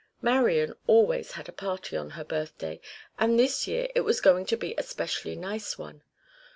Marian always had a party on her birthday, and this year it was going to be a specially nice one.